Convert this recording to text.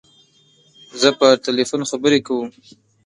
زه په تلیفون خبری کوم.